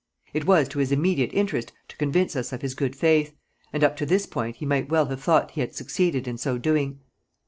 It was to his immediate interest to convince us of his good faith, and up to this point he might well have thought he had succeeded in so doing.